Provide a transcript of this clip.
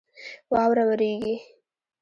واوره رېږي.